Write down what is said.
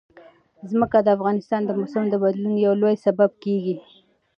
ځمکه د افغانستان د موسم د بدلون یو لوی سبب کېږي.